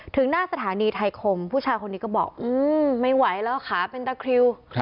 หน้าสถานีไทยคมผู้ชายคนนี้ก็บอกไม่ไหวแล้วขาเป็นตะคริว